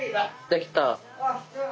できた。